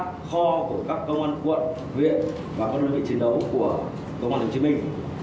và tiêm cách lợi dụng gần về bậc này không chỉ bằng